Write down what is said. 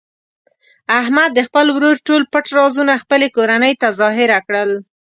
احمد د خپل ورور ټول پټ رازونه خپلې کورنۍ ته ظاهره کړل.